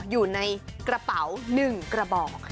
อยู่ในกระเป๋าหนึ่งกระบอก